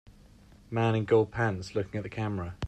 Man in gold pants looking at the camera.